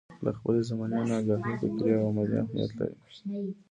له خپلې زمانې نه اګاهي فکري او عملي اهميت لري.